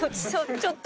ちょっと。